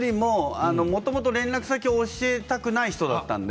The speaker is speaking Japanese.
もともと連絡先を教えたくない人だったので。